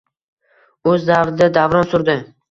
O’z davrida davron surdi